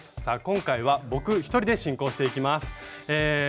さあ今回は僕一人で進行していきます。